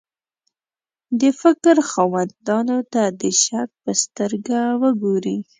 د فکر خاوندانو ته د شک په سترګه وګوري.